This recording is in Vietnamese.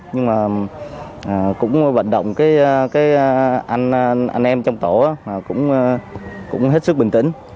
nhưng mà cũng vận động anh em trong tổ cũng hết sức bình tĩnh